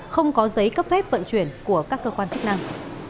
không có giấy cấp phép vận chuyển của các cơ quan chức năng